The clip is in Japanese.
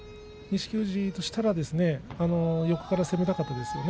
錦富士としては横から攻めたかったですね。